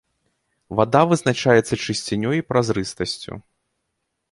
Вада вызначаецца чысцінёй і празрыстасцю.